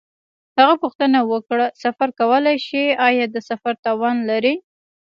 هغه پوښتنه وکړه: سفر کولای شې؟ آیا د سفر توان لرې؟